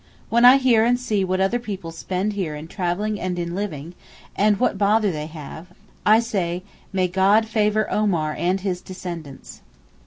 When I hear and see what other people spend here in travelling and in living, and what bother they have, I say: 'May God favour Omar and his descendants.